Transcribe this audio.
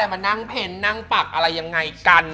มานั่งเพ้นนั่งปักอะไรยังไงกัน